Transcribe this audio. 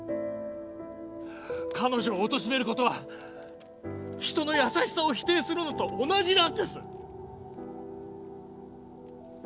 彼女をおとしめることは人の優しさを否定するのと同じなんです！